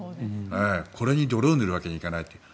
これに泥を塗るわけにはいかないと。